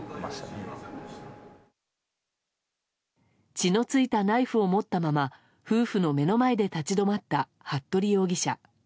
血の付いたナイフを持ったまま夫婦の目の前で立ち止まった服部容疑者。